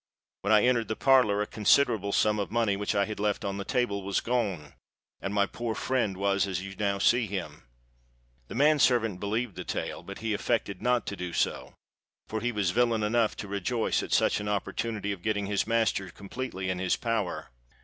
When I entered the parlour, a considerable sum of money, which I had left on the table, was gone—and my poor friend was as you now see him!" The man servant believed the tale; but he affected not to do so—for he was villain enough to rejoice at such an opportunity of getting his master completely in his power.